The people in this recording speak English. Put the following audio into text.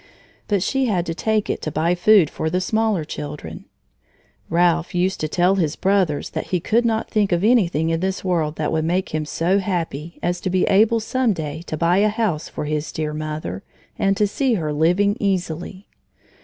But she had to take it to buy food for the smaller children! Ralph used to tell his brothers that he could not think of anything in this world that would make him so happy as to be able some day to buy a house for his dear mother and to see her living easily.